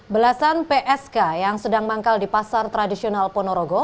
belasan psk yang sedang manggal di pasar tradisional ponorogo